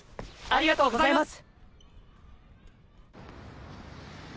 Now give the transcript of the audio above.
ありがとうございます！